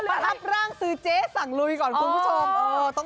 รับร่างซื้อเจ๊สั่งลุยก่อนคุณผู้ชม